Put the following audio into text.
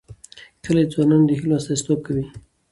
کلي د ځوانانو د هیلو استازیتوب کوي.